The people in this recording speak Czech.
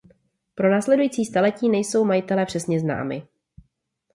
Pro následující staletí nejsou majitelé přesně známi.